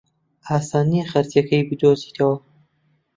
ئاسان نییە خەرجییەکەی بدۆزیتەوە.